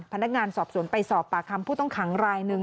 พนักงานสอบสวนไปสอบปากคำผู้ต้องขังรายหนึ่ง